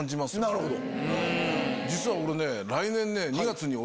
実は俺ね。